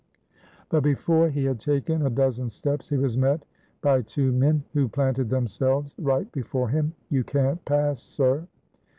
But before he had taken a dozen steps he was met by two men who planted themselves right before him. "You can't pass, sir."